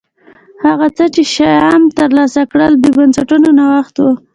هغه څه چې شیام ترسره کړل د بنسټونو نوښت و